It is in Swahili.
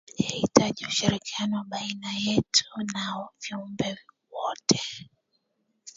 Yahitaji ushirikiano baina yetu na viumbe wote